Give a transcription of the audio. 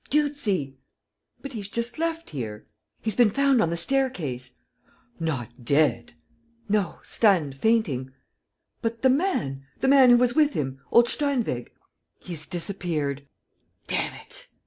"Dieuzy! ..." "But he's just left here. ..." "He's been found on the staircase. ..." "Not dead? ..." "No, stunned, fainting. ..." "But the man ... the man who was with him ... old Steinweg?" "He's disappeared. ..." "Damn it!"